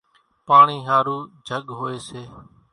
پاڻِي ۿارُو جھڳ هوئيَ سي۔